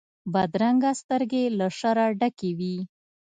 بدرنګه سترګې له شره ډکې وي